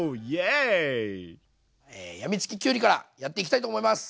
やみつききゅうりからやっていきたいと思います。